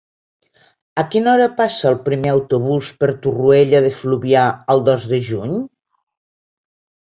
A quina hora passa el primer autobús per Torroella de Fluvià el dos de juny?